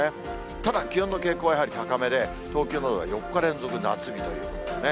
ただ、気温の傾向はやはり高めで、東京のほうが４日連続で夏日ということですね。